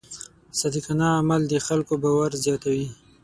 صادقانه عمل د خلکو باور زیاتوي.